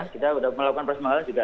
kita sudah melakukan proses pengawalan juga